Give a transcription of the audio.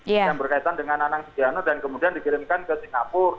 yang berkaitan dengan anang sugiano dan kemudian dikirimkan ke singapura